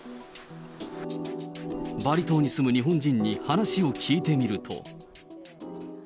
バリ島に住む日本人に話を聞いてみると。